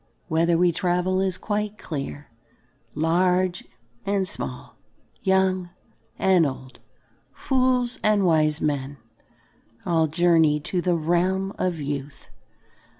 Whither we travel is quite clear. Large and small, young and old, fools and wise men all journey to the realm of youth.